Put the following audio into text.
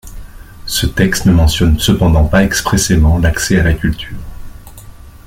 Ce texte ne mentionne cependant pas expressément l’accès à la culture.